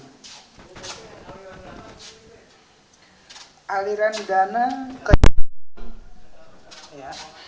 aliran dana ke yang lain